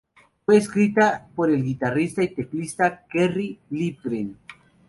Fue escrita por el guitarrista y teclista Kerry Livgren.